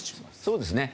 そうですね。